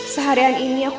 saat ini tanggung disalam cpu